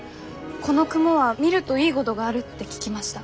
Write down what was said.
この雲は見るといいごどがあるって聞きました。